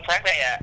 phát đây ạ